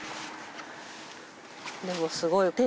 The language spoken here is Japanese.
でもすごい。